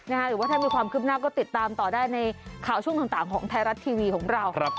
หรือว่าถ้ามีความคืบหน้าก็ติดตามต่อได้ในข่าวช่วงต่างของไทยรัฐทีวีของเรา